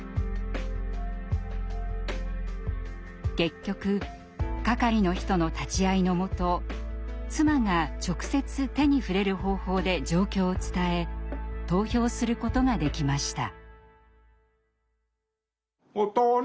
結局、係の人の立ち合いのもと妻が直接、手に触れる方法で状況を伝え投票することができました。